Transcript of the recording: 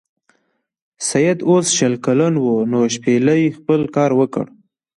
سید اوس شل کلن و نو شپیلۍ خپل کار وکړ.